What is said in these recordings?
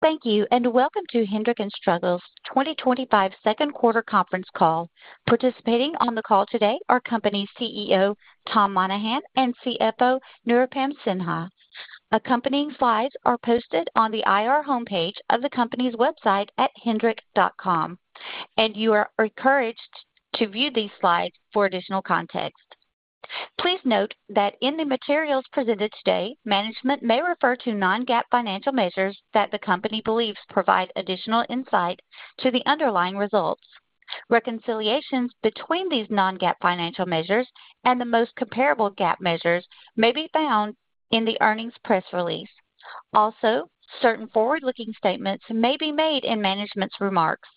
Thank you, and welcome to Heidrick & Struggles 2025 second quarter conference call. Participating on the call today are company CEO Tom Monahan and CFO Nirupam Sinha. Accompanying slides are posted on the IR homepage of the company's website at heidrick.com, and you are encouraged to view these slides for additional context. Please note that in the materials presented today, management may refer to non-GAAP financial measures that the company believes provide additional insight to the underlying results. Reconciliations between these non-GAAP financial measures and the most comparable GAAP measures may be found in the earnings press release. Also, certain forward-looking statements may be made in management's remarks.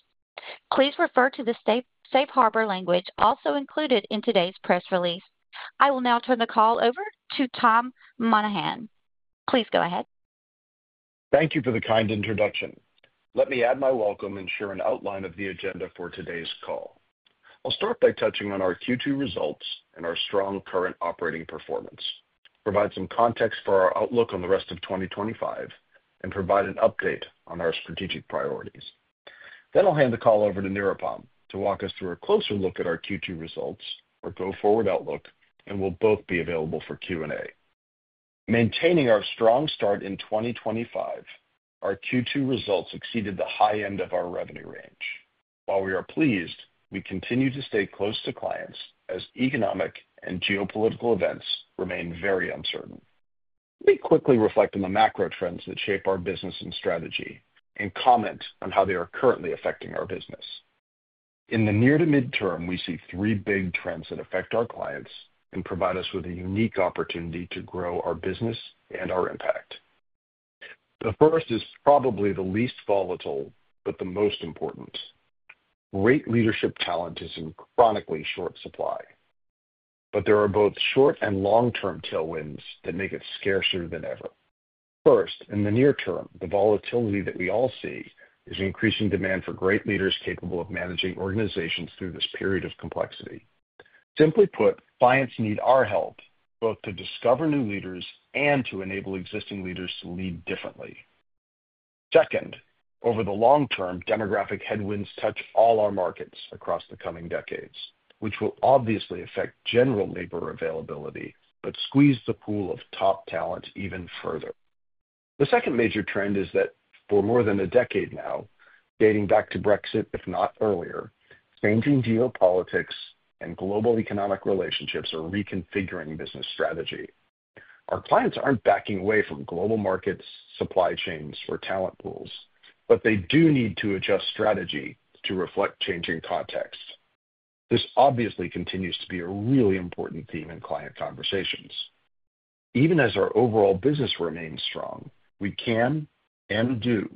Please refer to the safe harbor language also included in today's press release. I will now turn the call over to Tom Monahan. Please go ahead. Thank you for the kind introduction. Let me add my welcome and share an outline of the agenda for today's call. I'll start by touching on our Q2 results and our strong current operating performance, provide some context for our outlook on the rest of 2025, and provide an update on our strategic priorities. I'll hand the call over to Nirupam to walk us through a closer look at our Q2 results or go-forward outlook, and we'll both be available for Q&A. Maintaining our strong start in 2025, our Q2 results exceeded the high end of our revenue range. While we are pleased, we continue to stay close to clients as economic and geopolitical events remain very uncertain. Let me quickly reflect on the macro trends that shape our business and strategy and comment on how they are currently affecting our business. In the near to mid-term, we see three big trends that affect our clients and provide us with a unique opportunity to grow our business and our impact. The first is probably the least volatile, but the most important. Great leadership talent is in chronically short supply. There are both short and long-term tailwinds that make it scarcer than ever. First, in the near term, the volatility that we all see is increasing demand for great leaders capable of managing organizations through this period of complexity. Simply put, clients need our help both to discover new leaders and to enable existing leaders to lead differently. Over the long term, demographic headwinds touch all our markets across the coming decades, which will obviously affect general labor availability but squeeze the pool of top talent even further. The second major trend is that for more than a decade now, dating back to Brexit, if not earlier, changing geopolitics and global economic relationships are reconfiguring business strategy. Our clients aren't backing away from global markets, supply chains, or talent pools, but they do need to adjust strategy to reflect changing context. This obviously continues to be a really important theme in client conversations. Even as our overall business remains strong, we can and do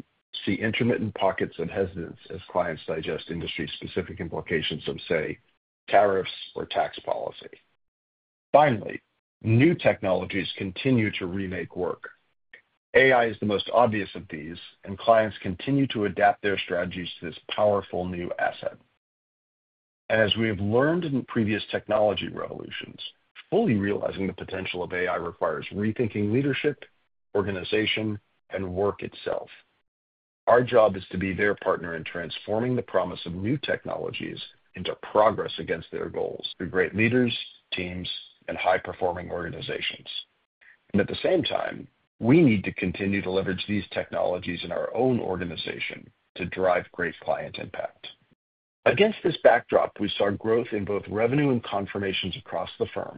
see intermittent pockets of hesitance as clients digest industry-specific implications of, say, tariffs or tax policy. Finally, new technologies continue to remake work. AI is the most obvious of these, and clients continue to adapt their strategies to this powerful new asset. As we have learned in previous technology revolutions, fully realizing the potential of AI requires rethinking leadership, organization, and work itself. Our job is to be their partner in transforming the promise of new technologies into progress against their goals for great leaders, teams, and high-performing organizations. At the same time, we need to continue to leverage these technologies in our own organization to drive great client impact. Against this backdrop, we saw growth in both revenue and confirmations across the firm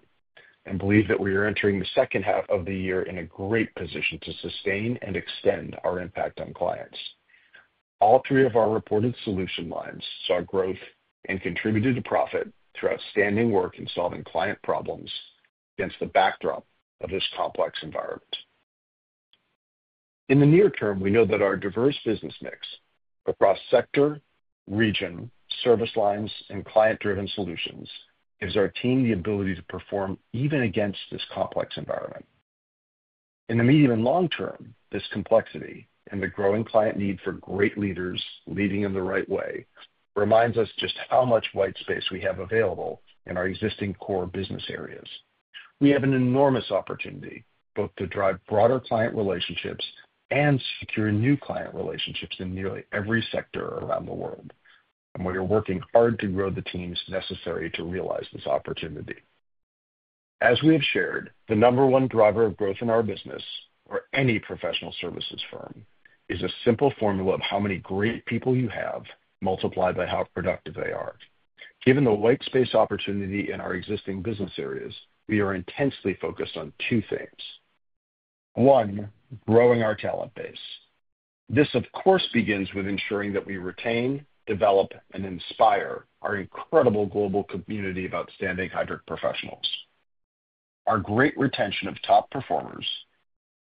and believe that we are entering the second half of the year in a great position to sustain and extend our impact on clients. All three of our reported solution lines saw growth and contributed to profit through outstanding work in solving client problems against the backdrop of this complex environment. In the near term, we know that our diverse business mix across sector, region, service lines, and client-driven solutions gives our team the ability to perform even against this complex environment. In the medium and long term, this complexity and the growing client need for great leaders leading in the right way remind us just how much white space we have available in our existing core business areas. We have an enormous opportunity both to drive broader client relationships and secure new client relationships in nearly every sector around the world. We are working hard to grow the teams necessary to realize this opportunity. As we have shared, the number one driver of growth in our business or any professional services firm is a simple formula of how many great people you have multiplied by how productive they are. Given the white space opportunity in our existing business areas, we are intensely focused on two things. One, growing our talent base. This, of course, begins with ensuring that we retain, develop, and inspire our incredible global community of outstanding Heidrick professionals. Our great retention of top performers,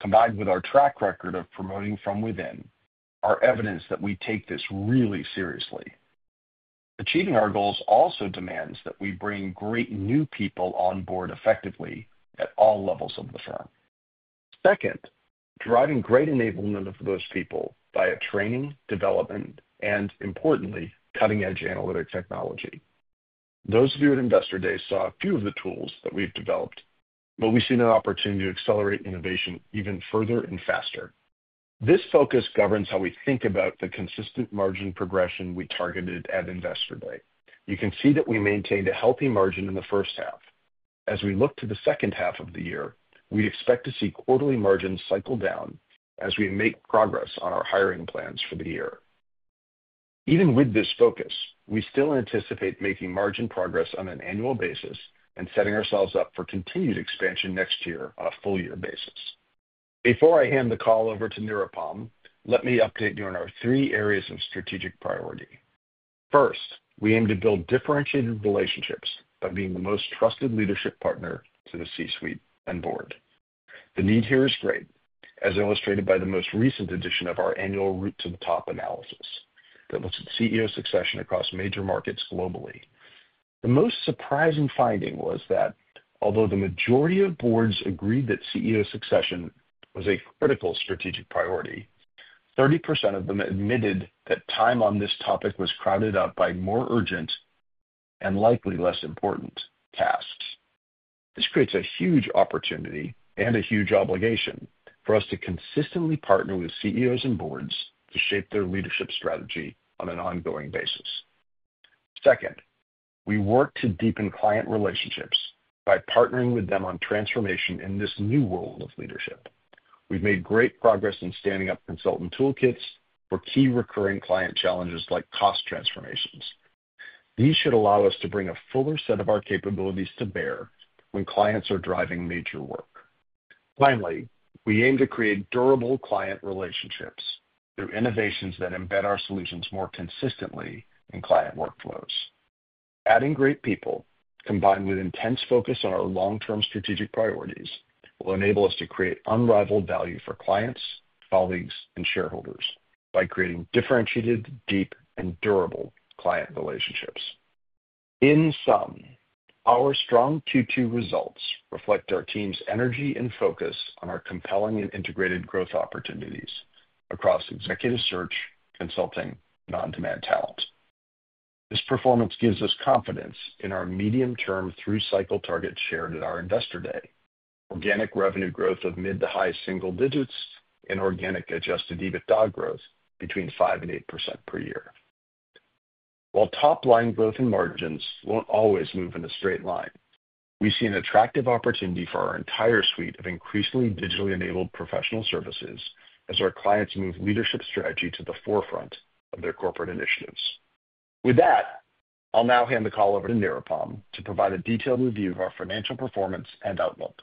combined with our track record of promoting from within, are evidence that we take this really seriously. Achieving our goals also demands that we bring great new people on board effectively at all levels of the firm. Second, driving great enablement of those people via training, development, and importantly, cutting-edge analytic technology. Those of you at Investor Day saw a few of the tools that we've developed, but we've seen an opportunity to accelerate innovation even further and faster. This focus governs how we think about the consistent margin progression we targeted at Investor Day. You can see that we maintained a healthy margin in the first half. As we look to the second half of the year, we expect to see quarterly margins cycle down as we make progress on our hiring plans for the year. Even with this focus, we still anticipate making margin progress on an annual basis and setting ourselves up for continued expansion next year on a full-year basis. Before I hand the call over to Nirupam, let me update you on our three areas of strategic priority. First, we aim to build differentiated relationships by being the most trusted leadership partner to the C-suite and board. The need here is great, as illustrated by the most recent edition of our annual Route to the Top analysis that looks at CEO succession across major markets globally. The most surprising finding was that although the majority of boards agreed that CEO succession was a critical strategic priority, 30% of them admitted that time on this topic was crowded up by more urgent and likely less important tasks. This creates a huge opportunity and a huge obligation for us to consistently partner with CEOs and boards to shape their leadership strategy on an ongoing basis. Second, we work to deepen client relationships by partnering with them on transformation in this new world of leadership. We've made great progress in standing up consultant toolkits for key recurring client challenges like cost transformations. These should allow us to bring a fuller set of our capabilities to bear when clients are driving major work. Finally, we aim to create durable client relationships through innovations that embed our solutions more consistently in client workflows. Adding great people, combined with intense focus on our long-term strategic priorities, will enable us to create unrivaled value for clients, colleagues, and shareholders by creating differentiated, deep, and durable client relationships. In sum, our strong Q2 results reflect our team's energy and focus on our compelling and integrated growth opportunities across executive search, consulting, and on-demand talent. This performance gives us confidence in our medium-term through cycle targets shared at our Investor Day. Organic revenue growth of mid to high single digits and organic adjusted EBITDA growth between 5% and 8% per year. While top line growth and margins won't always move in a straight line, we see an attractive opportunity for our entire suite of increasingly digitally enabled professional services as our clients move leadership strategy to the forefront of their corporate initiatives. With that, I'll now hand the call over to Nirupam to provide a detailed review of our financial performance and outlook.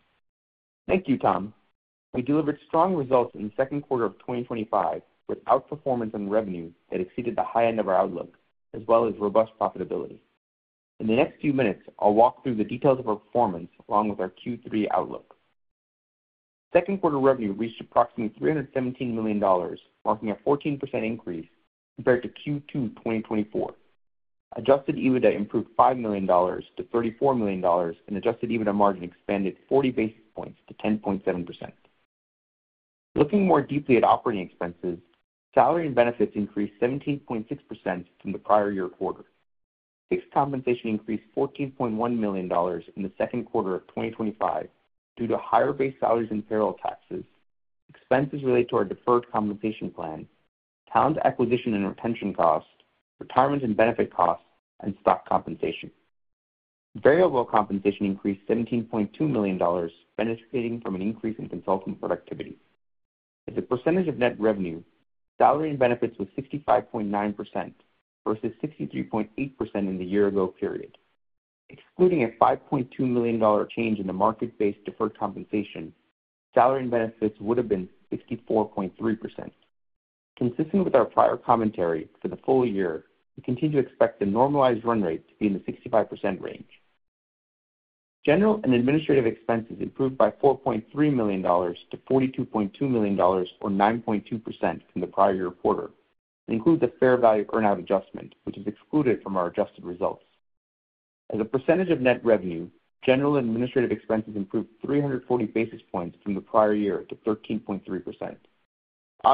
Thank you, Tom. We delivered strong results in the second quarter of 2025 with outperformance in revenue that exceeded the high end of our outlook, as well as robust profitability. In the next few minutes, I'll walk through the details of our performance along with our Q3 outlook. Second quarter revenue reached approximately $317 million, marking a 14% increase compared to Q2 2024. Adjusted EBITDA improved $5 million to $34 million, and adjusted EBITDA margin expanded 40 basis points to 10.7%. Looking more deeply at operating expenses, salary and benefits increased 17.6% from the prior year quarter. Fixed compensation increased $14.1 million in the second quarter of 2025 due to higher base salaries and payroll taxes, expenses related to our deferred compensation plan, talent acquisition and retention costs, retirement and benefit costs, and stock compensation. Variable compensation increased $17.2 million, benefiting from an increase in consultant productivity. As a percentage of net revenue, salary and benefits were 65.9% versus 63.8% in the year-ago period. Excluding a $5.2 million change in the market-based deferred compensation, salary and benefits would have been 64.3%. Consistent with our prior commentary for the full year, we continue to expect the normalized run rate to be in the 65% range. General and administrative expenses improved by $4.3 million to $42.2 million, or 9.2% from the prior year quarter, and include the fair value earnout adjustment, which is excluded from our adjusted results. As a percentage of net revenue, general and administrative expenses improved 340 basis points from the prior year to 13.3%.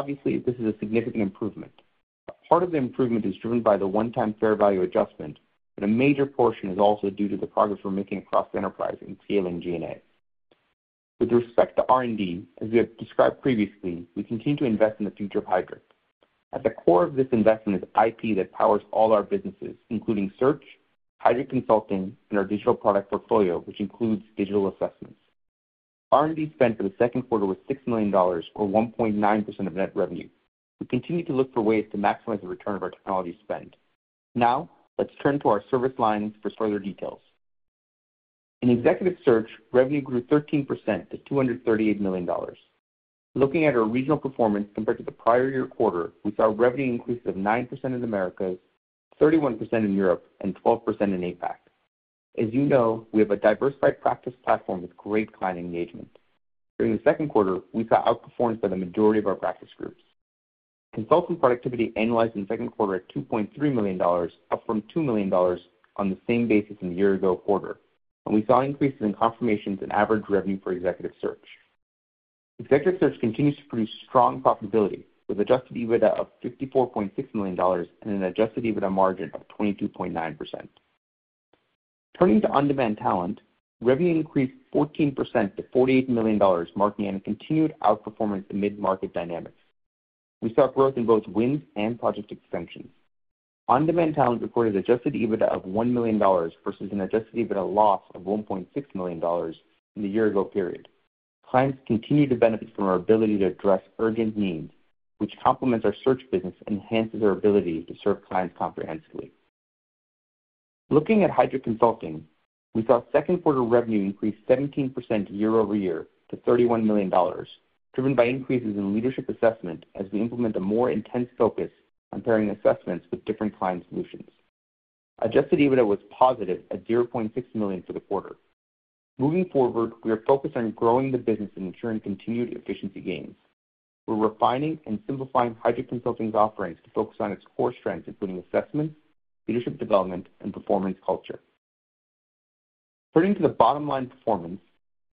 This is a significant improvement. Part of the improvement is driven by the one-time fair value adjustment, but a major portion is also due to the progress we're making across the enterprise in CLNG and Ed. With respect to R&D, as we have described previously, we continue to invest in the future of Heidrick. At the core of this investment is IP that powers all our businesses, including search, Heidrick Consulting, and our digital product portfolio, which includes digital assessments. R&D spend for the second quarter was $6 million, or 1.9% of net revenue. We continue to look for ways to maximize the return of our technology spend. Now, let's turn to our service lines for further details. In executive search, revenue grew 13% to $238 million. Looking at our regional performance compared to the prior year quarter, we saw revenue increases of 9% in America, 31% in Europe, and 12% in APAC. As you know, we have a diversified practice platform with great client engagement. During the second quarter, we saw outperformance by the majority of our practice groups. Consultant productivity annualized in the second quarter at $2.3 million, up from $2 million on the same basis in the year-ago quarter. We saw increases in confirmations and average revenue for executive search. Executive search continues to produce strong profitability with adjusted EBITDA of $54.6 million and an adjusted EBITDA margin of 22.9%. Turning to on-demand talent, revenue increased 14% to $48 million, marking a continued outperformance to mid-market dynamics. We saw growth in both wins and project extensions. On-demand talent recorded adjusted EBITDA of $1 million versus an adjusted EBITDA loss of $1.6 million in the year-ago period. Clients continue to benefit from our ability to address urgent needs, which complements our search business and enhances our ability to serve clients comprehensively. Looking at Heidrick Consulting, we saw second quarter revenue increase 17% year-over-year to $31 million, driven by increases in leadership assessment as we implement a more intense focus on pairing assessments with different client solutions. Adjusted EBITDA was positive at $0.6 million for the quarter. Moving forward, we are focused on growing the business and ensuring continued efficiency gains. We're refining and simplifying Heidrick Consulting's offerings to focus on its core strengths, including assessment, leadership development, and performance culture. Turning to the bottom line performance,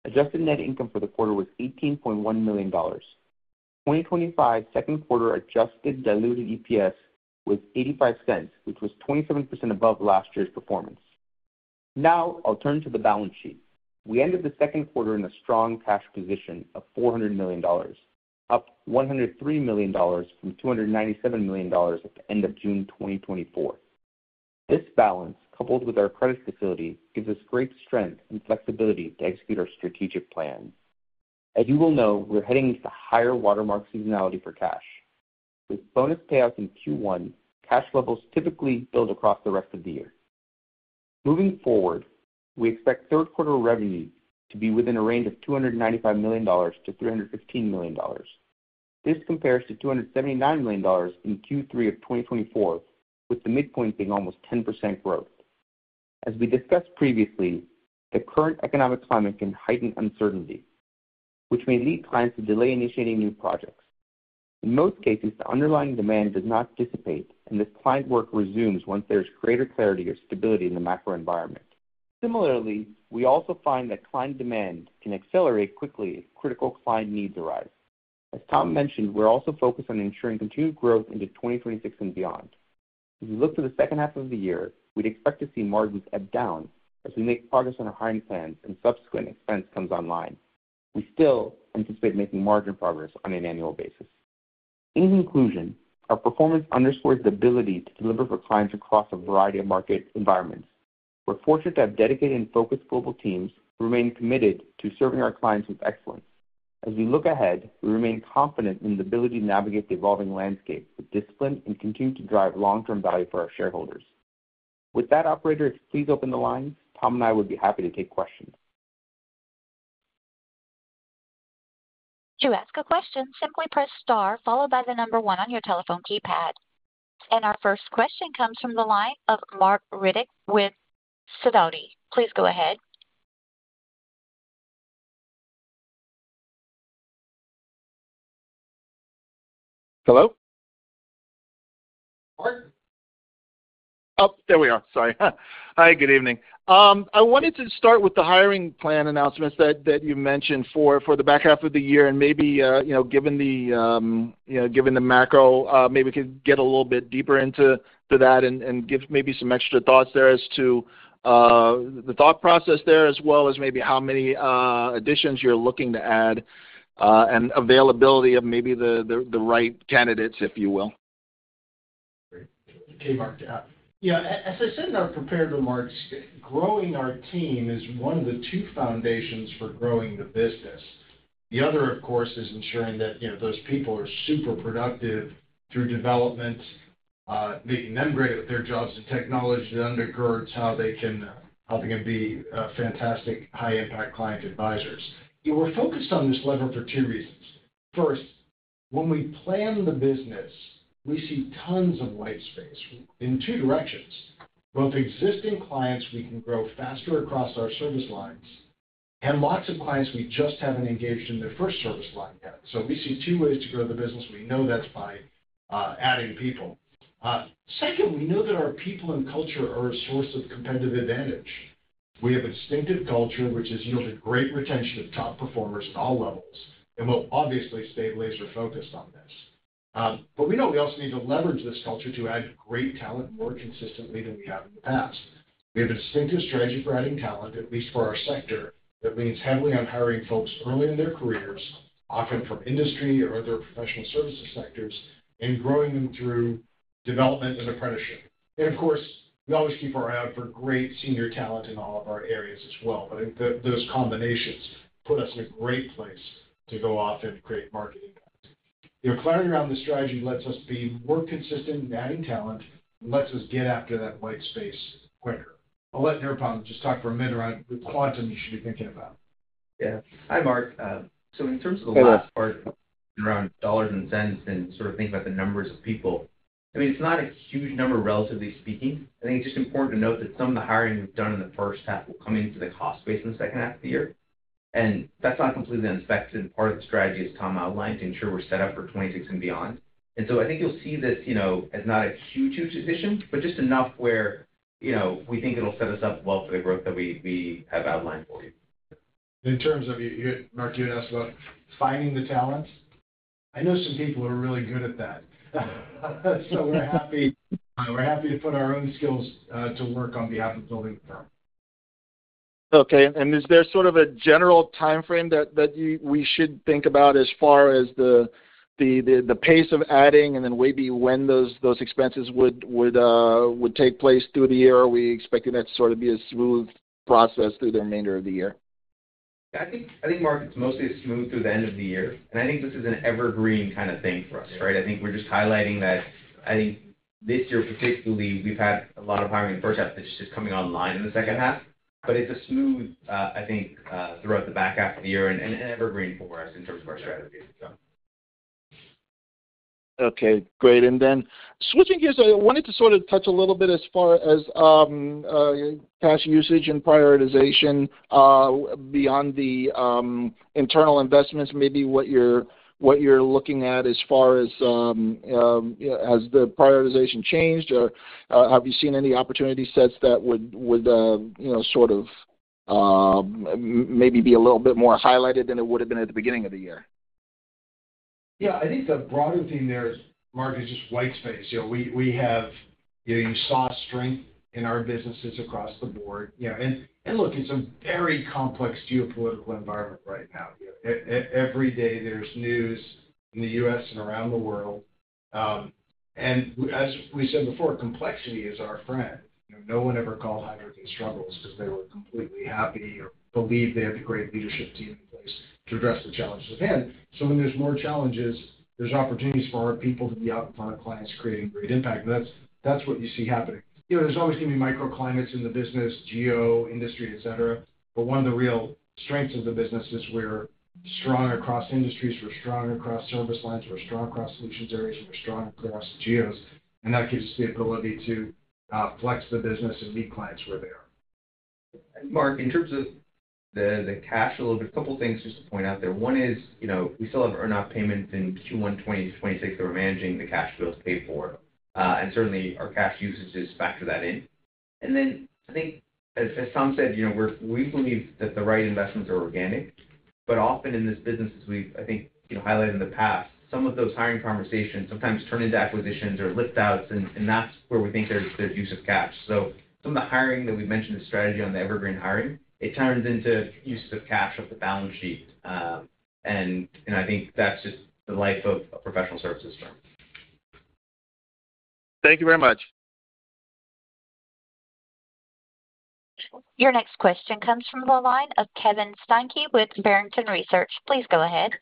adjusted net income for the quarter was $18.1 million. 2025 second quarter adjusted diluted EPS was $0.85, which was 27% above last year's performance. Now, I'll turn to the balance sheet. We ended the second quarter in a strong cash position of $400 million, up $103 million from $297 million at the end of June 2024. This balance, coupled with our credit stability, gives us great strength and flexibility to execute our strategic plan. As you will know, we're heading into the higher watermark seasonality for cash. With bonus payouts in Q1, cash levels typically build across the rest of the year. Moving forward, we expect third quarter revenue to be within a range of $295 million to $315 million. This compares to $279 million in Q3 of 2024, with the midpoint being almost 10% growth. As we discussed previously, the current economic climate can heighten uncertainty, which may lead clients to delay initiating new projects. In most cases, the underlying demand does not dissipate, and this client work resumes once there's greater clarity or stability in the macro environment. Similarly, we also find that client demand can accelerate quickly if critical client needs arise. As Tom mentioned, we're also focused on ensuring continued growth into 2026 and beyond. As we look to the second half of the year, we'd expect to see margins ebb down as we make progress on our hiring plans and subsequent expense comes online. We still anticipate making margin progress on an annual basis. In conclusion, our performance underscores the ability to deliver for clients across a variety of market environments. We're fortunate to have dedicated and focused global teams who remain committed to serving our clients with excellence. As we look ahead, we remain confident in the ability to navigate the evolving landscape with discipline and continue to drive long-term value for our shareholders. With that, operators, please open the lines. Tom and I would be happy to take questions. To ask a question, simply press star followed by the number one on your telephone keypad. Our first question comes from the line of Marc Riddick with Sidoti. Please go ahead. Hi, good evening. I wanted to start with the hiring plan announcements that you mentioned for the back half of the year. Maybe, given the macro, we could get a little bit deeper into that and give some extra thoughts there as to the thought process, as well as how many additions you're looking to add and availability of the right candidates, if you will. Okay, Marc. As I said in our prepared remarks, growing our team is one of the two foundations for growing the business. The other, of course, is ensuring that those people are super productive through development, making them great at their jobs and technology that undergirds how they can be fantastic high-impact client advisors. We're focused on this level for two reasons. First, when we plan the business, we see tons of white space in two directions. Both existing clients we can grow faster across our service lines and lots of clients we just haven't engaged in the first service line yet. We see two ways to grow the business. We know that's by adding people. Second, we know that our people and culture are a source of competitive advantage. We have a distinctive culture, which has yielded great retention of top performers at all levels. We'll obviously stay laser-focused on this. We know we also need to leverage this culture to add great talent more consistently than we have in the past. We have a distinctive strategy for adding talent, at least for our sector, that means hiring folks early in their careers, often from industry or other professional services sectors, and growing them through development and apprenticeship. Of course, we always keep our eye out for great senior talent in all of our areas as well. I think those combinations put us in a great place to go off and create marketing. Clearing around the strategy lets us be more consistent in adding talent and lets us get after that white space quicker. I'll let Nirupam just talk for a minute around the quantum you should be thinking about. Yeah. Hi, Marc. In terms of the last part around dollars and cents and sort of thinking about the numbers of people, it's not a huge number, relatively speaking. I think it's just important to note that some of the hiring is done in the first half, coming into the cost space in the second half of the year. That's not completely unsuspected. Part of the strategy is, as Tom outlined, to ensure we're set up for 2026 and beyond. I think you'll see this as not a huge, huge decision, but just enough where we think it'll set us up well for the growth that we have outlined for you. In terms of you, Marc, you had asked about finding the talent. I know some people that are really good at that. We're happy to put our own skills to work on behalf of building the talent. Is there sort of a general time frame that we should think about as far as the pace of adding and then maybe when those expenses would take place through the year? Are we expecting that to sort of be a smooth process through the remainder of the year? I think, Marc, it's mostly a smooth through the end of the year. I think this is an evergreen kind of thing for us, right? I think we're just highlighting that this year, particularly, we've had a lot of hiring in the first half, which is coming online in the second half. It's a smooth, I think, throughout the back half of the year and evergreen for us in terms of our strategy. Okay, great. Switching gears, I wanted to sort of touch a little bit as far as cash usage and prioritization beyond the internal investments. Maybe what you're looking at as far as has the prioritization changed or have you seen any opportunity sets that would, you know, sort of maybe be a little bit more highlighted than it would have been at the beginning of the year? I think the broader thing there, Marc, is just white space. You know, you saw strength in our businesses across the board. It's a very complex geopolitical environment right now. Every day there's news in the U.S. and around the world. As we said before, complexity is our friend. No one ever called Heidrick & Struggles because they were completely happy or believed they had the great leadership team in place to address the challenges at hand. When there's more challenges, there's opportunities for our people to be out in front of clients creating great impact. That's what you see happening. There's always going to be microclimates in the business, geo, industry, etc. One of the real strengths of the business is we're strong across industries, we're strong across service lines, we're strong across solutions areas, and we're strong across geos. That gives us the ability to flex the business and meet clients where they are. Marc, in terms of the cash flow, there are a couple of things just to point out there. One is, you know, we still have earnout payments in Q1 2026 that we're managing the cash flow to pay for. Certainly, our cash usage has factored that in. I think, as Tom said, you know, we believe that the right investments are organic. Often in this business, as we, I think, you know, highlighted in the past, some of those hiring conversations sometimes turn into acquisitions or liftouts, and that's where we think there's a good use of cash. Some of the hiring that we've mentioned, the strategy on the evergreen hiring, it turns into use of cash up the balance sheet. I think that's just the life of a professional services firm. Thank you very much. Your next question comes from the line of Kevin Steinke with Barrington Research. Please go ahead.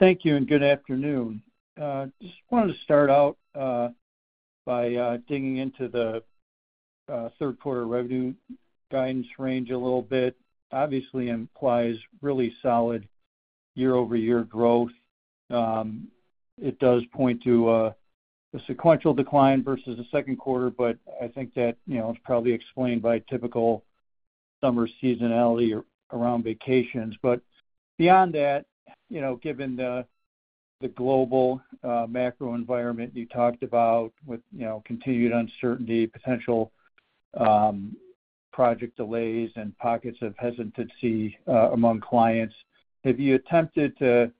Thank you, and good afternoon. I just wanted to start out by digging into the third quarter revenue guidance range a little bit. Obviously, it implies really solid year-over-year growth. It does point to a sequential decline versus the second quarter. I think that it's probably explained by typical summer seasonality around vacations. Beyond that, given the global macro environment you talked about with continued uncertainty, potential project delays, and pockets of hesitancy among clients, have you attempted to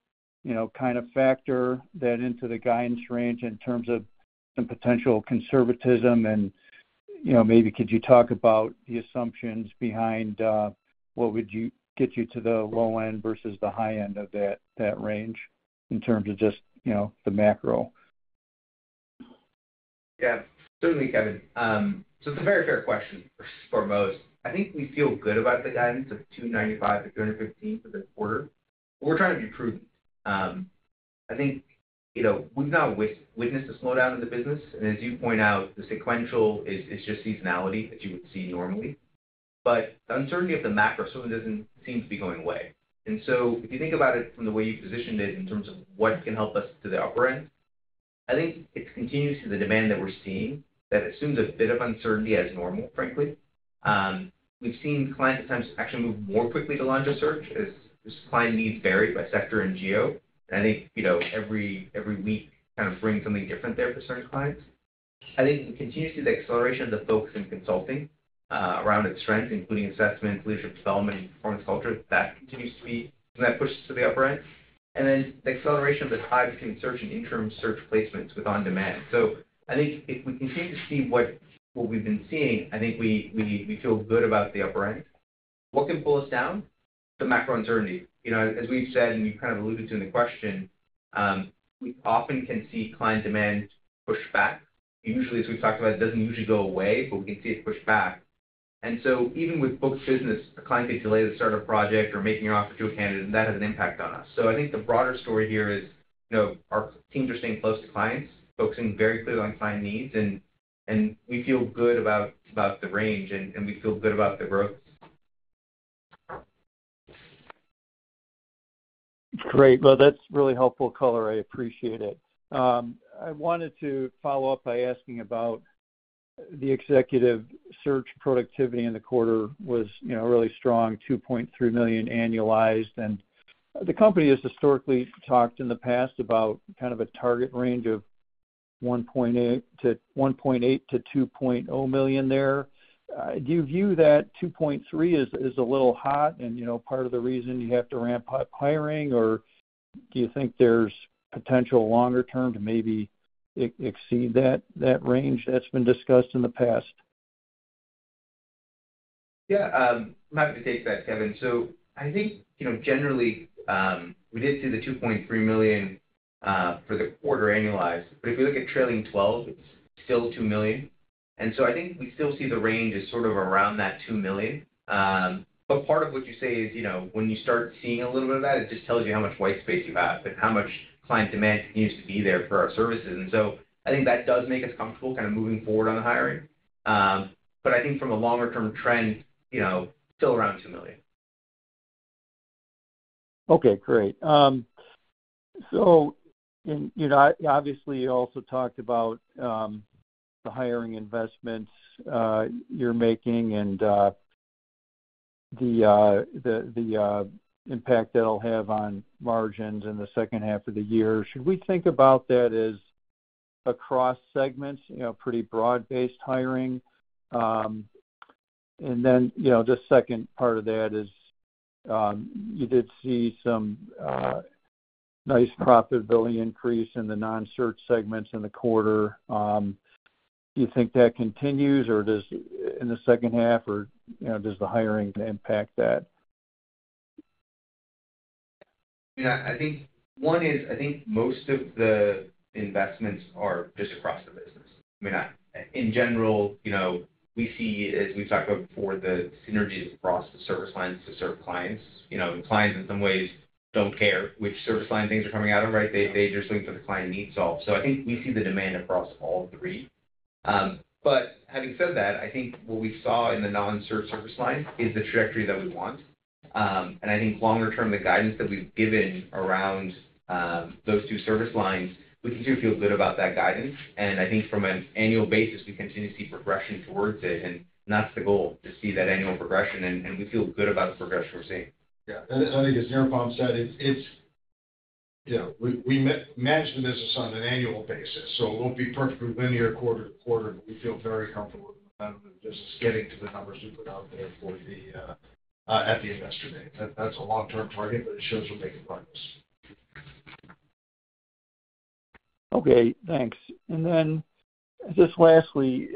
factor that into the guidance range in terms of some potential conservatism? Maybe could you talk about the assumptions behind what would get you to the low end versus the high end of that range in terms of just the macro? Yeah, certainly, Kevin. It's a very fair question for most. I think we feel good about the guidance of $295 million to $315 million for the quarter. We're trying to be prudent. I think we've now witnessed a slowdown in the business. As you point out, the sequential is just seasonality that you would see normally. Uncertainty of the macro certainly doesn't seem to be going away. If you think about it from the way you positioned it in terms of what can help us to the upper end, I think it's continuous to the demand that we're seeing that assumes a bit of uncertainty as normal, frankly. We've seen clients at times actually move more quickly to launch a search as client needs vary by sector and geo. Every week kind of brings something different there for certain clients. I think it's continuously the acceleration of the focus in consulting around its strengths, including assessments, leadership development, and performance culture. That continues to be something that pushes to the upper end. The acceleration of the tide between search and interim search placements with on-demand is also a factor. If we continue to see what we've been seeing, I think we feel good about the upper end. What can pull us down is the macro uncertainty. As we've said, and you kind of alluded to in the question, we often can see client demand push back. Usually, as we've talked about, it doesn't usually go away, but we can see it push back. Even with booked business, a client could delay the start of a project or making an offer to a candidate, and that has an impact on us. The broader story here is our teams are staying close to clients, focusing very clearly on client needs, and we feel good about the range, and we feel good about the growth. Great. That's really helpful color. I appreciate it. I wanted to follow up by asking about the executive search productivity in the quarter was really strong, $2.3 million annualized. The company has historically talked in the past about kind of a target range of $1.8 to $2.0 million there. Do you view that $2.3 as a little hot and part of the reason you have to ramp up hiring, or do you think there's potential longer term to maybe exceed that range that's been discussed in the past? Yeah, I'm happy to take that, Kevin. I think, you know, generally, we did see the $2.3 million for the quarter annualized, but if we look at trailing 12, it's still $2 million. I think we still see the range is sort of around that $2 million. Part of what you say is, you know, when you start seeing a little bit of that, it just tells you how much white space you have, but how much client demand needs to be there for our services. I think that does make us comfortable kind of moving forward on the hiring. I think from a longer-term trend, you know, still around $2 million. Okay, great. You also talked about the hiring investments you're making and the impact that'll have on margins in the second half of the year. Should we think about that as across segments, pretty broad-based hiring? The second part of that is you did see some nice profitability increase in the non-search segments in the quarter. Do you think that continues in the second half, or does the hiring impact that? I think most of the investments are just across the business. In general, we see, as we talked about before, the synergies across the service lines to serve clients. The clients in some ways don't care which service line things are coming out of, right? They just think that the client needs all. I think we see the demand across all three. Having said that, I think what we saw in the non-search service line is the trajectory that we want. I think longer term, the guidance that we've given around those two service lines, we continue to feel good about that guidance. I think from an annual basis, we continue to see progression towards it. That's the goal, to see that annual progression. We feel good about the progression we're seeing. Yeah, and I think, as Nirupam said, it's, you know, we manage the business on an annual basis. It won't be perfectly linear quarter to quarter. We feel very comfortable with just getting to the numbers you put out there for the, at the investors. That's a long-term target, but it shows we're making progress. Okay, thanks. Lastly,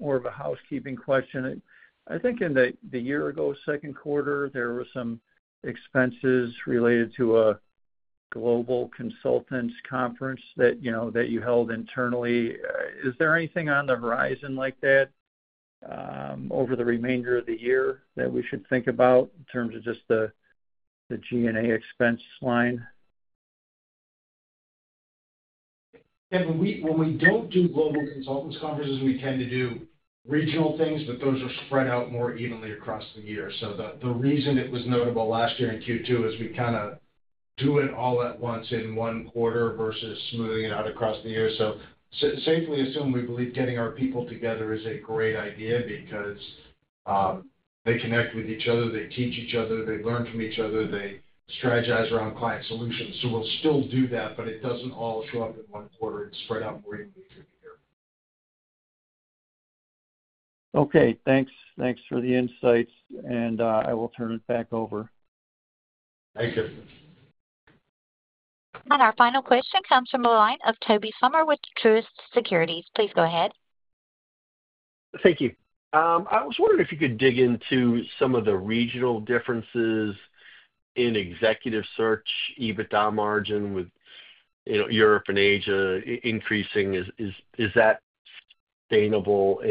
more of a housekeeping question. I think in the year-ago second quarter, there were some expenses related to a global consultants conference that, you know, that you held internally. Is there anything on the horizon like that over the remainder of the year that we should think about in terms of just the G&A expense line? When we don't do global consultants conferences, we tend to do regional things, but those are spread out more evenly across the year. The reason it was notable last year in Q2 is we kind of do it all at once in one quarter versus smoothing it out across the year. You can safely assume we believe getting our people together is a great idea because they connect with each other, they teach each other, they learn from each other, they strategize around client solutions. We'll still do that, but it doesn't all show up in one quarter. It's spread out great. Okay, thanks. Thanks for the insights. I will turn it back over. Thank you. Our final question comes from the line of Tobey Sommer with Truist Securities. Please go ahead. Thank you. I was wondering if you could dig into some of the regional differences in executive search EBITDA margin, with Europe and Asia increasing. Is that sustainable?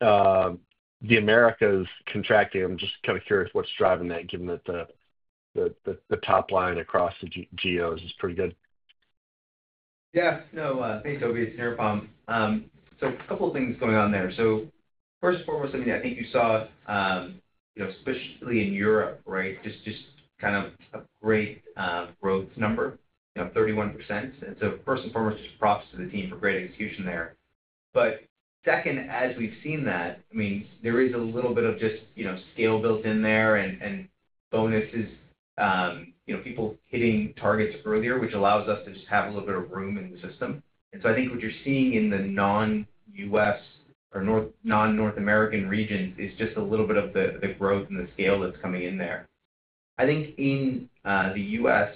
The Americas contracting, I'm just kind of curious what's driving that, given that the top line across the geos is pretty good. Yes. No, Tobey, it's Nirupam. A couple of things going on there. First and foremost, I think you saw, especially in Europe, just kind of a great growth number, 31%. First and foremost, just props to the team for great execution there. Second, as we've seen that, there is a little bit of just scale built in there and bonuses, people hitting targets earlier, which allows us to just have a little bit of room in the system. I think what you're seeing in the non-U.S. or non-North American regions is just a little bit of the growth and the scale that's coming in there. I think in the U.S.,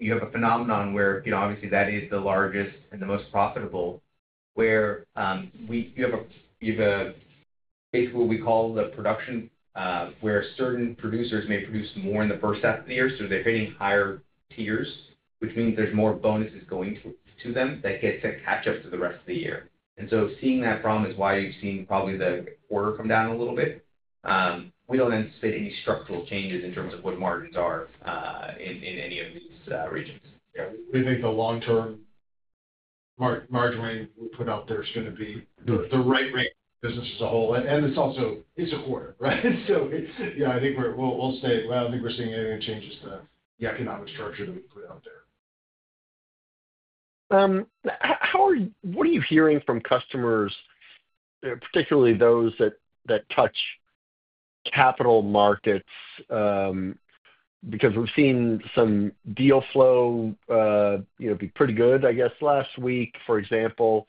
you have a phenomenon where, obviously that is the largest and the most profitable, where you have basically what we call the production, where certain producers may produce more in the first half of the year. They're hitting higher tiers, which means there's more bonuses going to them that get set catch-ups to the rest of the year. Seeing that problem is why you've seen probably the quarter come down a little bit. We don't anticipate any structural changes in terms of what the margins are in any of these regions. I think the long-term margin range we put out there is going to be the right range for the business as a whole. It's also a quarter, right? I think we'll stay well. I don't think we're seeing any changes to the economic structure that we put out there. What are you hearing from customers, particularly those that touch capital markets? We've seen some deal flow be pretty good, I guess, last week, for example.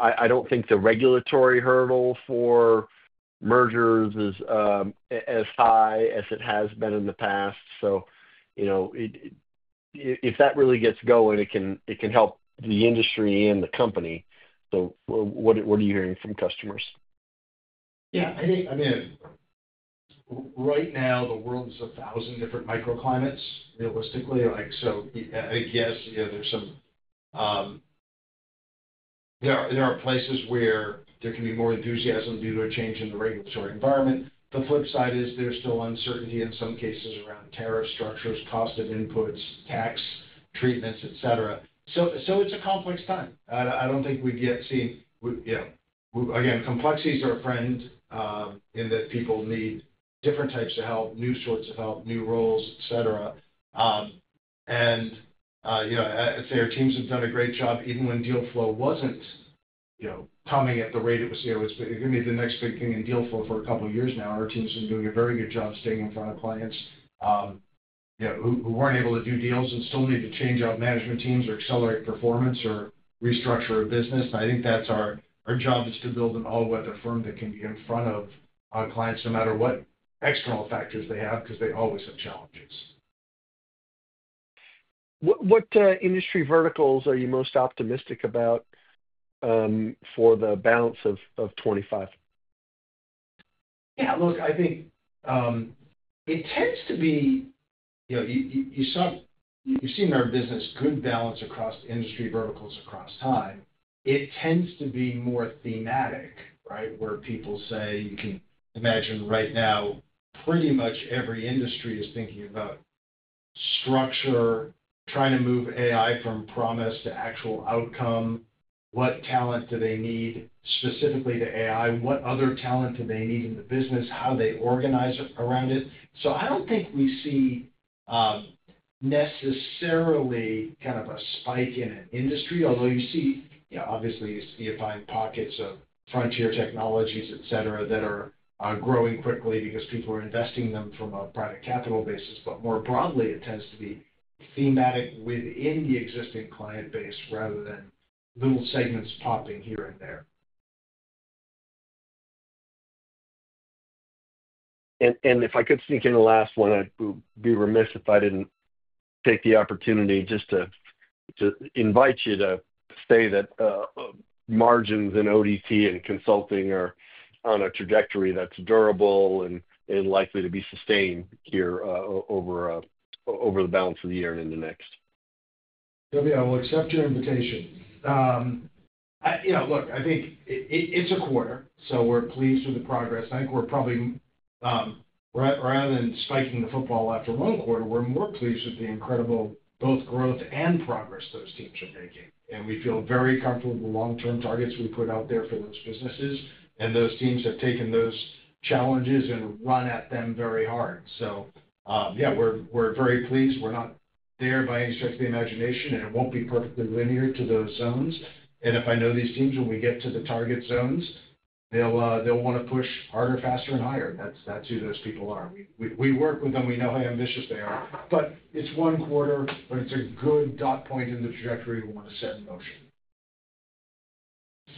I don't think the regulatory hurdle for mergers is as high as it has been in the past. If that really gets going, it can help the industry and the company. What are you hearing from customers? I think, right now, the world is a thousand different microclimates, realistically. There are places where there can be more enthusiasm due to a change in the regulatory environment. The flip side is there's still uncertainty in some cases around tariff structures, cost of inputs, tax treatments, etc. It's a complex time. I don't think we'd get seen. Complexities are a friend, in that people need different types of help, new sorts of help, new roles, etc. I'd say our teams have done a great job even when deal flow wasn't coming at the rate it was. It was going to be the next big thing in deal flow for a couple of years now. Our team's been doing a very good job staying in front of clients who weren't able to do deals and still need to change up management teams or accelerate performance or restructure a business. I think that's our job, to build an all-weather firm that can be in front of clients no matter what external factors they have because they always have challenges. What industry verticals are you most optimistic about for the balance of 2025? I think it tends to be, you saw, you've seen in our business good balance across industry verticals across time. It tends to be more thematic, where people say, you can imagine right now, pretty much every industry is thinking about structure, trying to move AI from promise to actual outcome. What talent do they need specifically to AI? What other talent do they need in the business? How do they organize around it? I don't think we see necessarily kind of a spike in an industry, although you see, yeah, obviously, you see a fine pocket of frontier technologies, etc., that are growing quickly because people are investing in them from a private capital basis. More broadly, it tends to be thematic within the existing client base rather than little segments popping here and there. If I could speak in the last one, I'd be remiss if I didn't take the opportunity just to invite you to say that margins in On-Demand Talent and consulting are on a trajectory that's durable and likely to be sustained here over the balance of the year and in the next. Okay, I will accept your invitation. You know, look, I think it's a quarter, so we're pleased with the progress. I think we're probably, rather than spiking the football after one quarter, we're more pleased with the incredible both growth and progress those teams are making. We feel very comfortable with the long-term targets we put out there for those businesses. Those teams have taken those challenges and run at them very hard. Yeah, we're very pleased. We're not there by any stretch of the imagination, and it won't be perfectly linear to those zones. If I know these teams, when we get to the target zones, they'll want to push harder, faster, and higher. That's who those people are. We work with them. We know how ambitious they are. It's one quarter, but it's a good dot point in the trajectory we want to set in motion.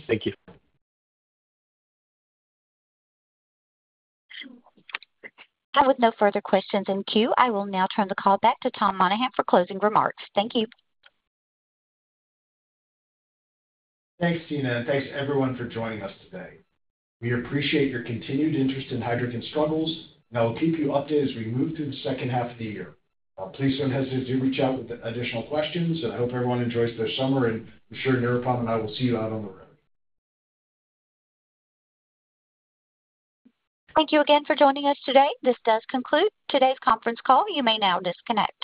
Thank you. With no further questions in queue, I will now turn the call back to Tom Monahan for closing remarks. Thank you. Thanks, Tina, and thanks everyone for joining us today. We appreciate your continued interest in Heidrick & Struggles. I'll keep you updated as we move through the second half of the year. Please don't hesitate to reach out with additional questions. I hope everyone enjoys their summer, and I'm sure Nirupam and I will see you out on the road. Thank you again for joining us today. This does conclude today's conference call. You may now disconnect.